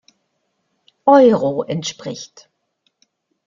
Euro entspricht.